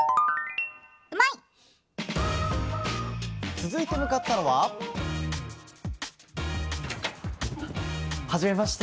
続いて向かったのははじめまして。